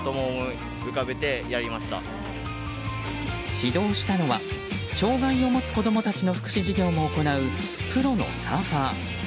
指導したのは障害を持つ子供たちの福祉事業を行うプロのサーファー。